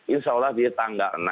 insya allah di tanggal